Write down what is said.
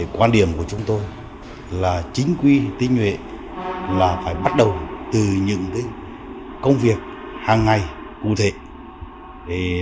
quan điểm của chúng tôi là chính quy tinh nhuệ là phải bắt đầu từ những công việc hàng ngày cụ thể